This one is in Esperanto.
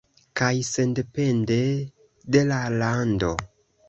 Kaj sendepende de la lando.